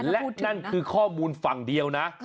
และนั่นคือข้อมูลฝั่งเดียวนะ